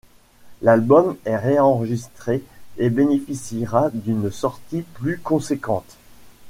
L'album est réenregistré et bénéficiera d'une sortie plus conséquente.